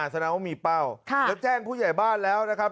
แสดงว่ามีเป้าแล้วแจ้งผู้ใหญ่บ้านแล้วนะครับ